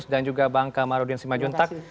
dan juga bang kamarudin simajuntak